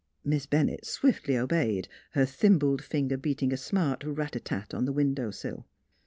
Miss Bennett swiftly obeyed, her thimbled finger beating a smart rat tat on the window sill.